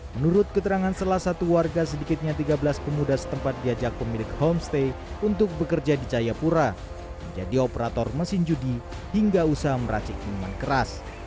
menurut keterangan salah satu warga sedikitnya tiga belas pemuda setempat diajak pemilik homestay untuk bekerja di jayapura menjadi operator mesin judi hingga usaha meracik minuman keras